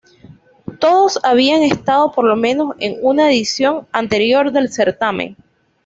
Todas habían estado por lo menos en una edición anterior del certamen.